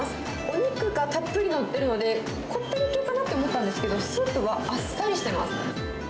お肉がたっぷり載っているので、こってり系かな？と思ったんですけど、スープはあっさりしてます。